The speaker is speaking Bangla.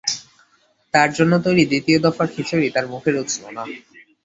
তাঁর জন্য তৈরি দ্বিতীয় দফার খিচুড়ি তাঁর মুখে রুচল না।